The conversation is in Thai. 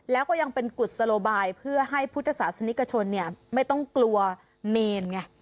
แล้วก็ยังเป็นกุศโลบายเพื่อให้พุทธศาสนิกชนไม่ต้องกลัวเมนไง